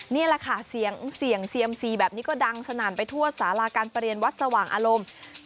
นี่แหละค่ะเสียงเซียมซีแบบนี้ก็ดังสนั่นไปทั่วสาราการประเรียนวัดสว่างอารมณ์